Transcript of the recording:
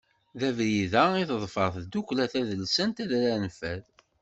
D abrid-a i teḍfer Tdukkla Tadelsant Adrar n Fad.